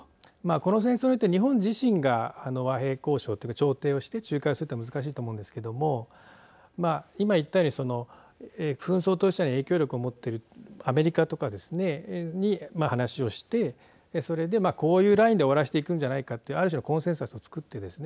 この戦争、日本自身が和平交渉というか調停をして仲介するのが難しいと思うんですけども今言ったように紛争当事者に影響力を持っているアメリカとかですね話をしてそれでこういうラインで終わらせていくんじゃないかというある種のコンセンサスを作ってですね